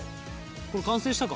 これ完成したか？